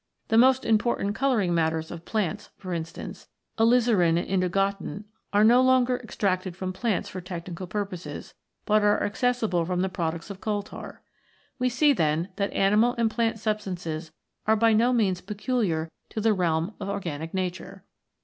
The most important colouring matters of plants, for instance, alizarin and indigotin, are no longer extracted from plants for technical pur poses, but are accessible from the products of coal tar. We see, then, that animal and plant sub stances are by no means peculiar to the realm of organic nature.